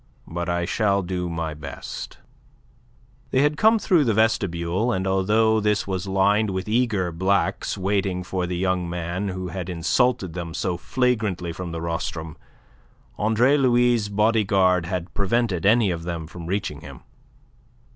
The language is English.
But I shall do my best." They had come through the vestibule, and although this was lined with eager Blacks waiting for the young man who had insulted them so flagrantly from the rostrum, Andre Louis' body guard had prevented any of them from reaching him.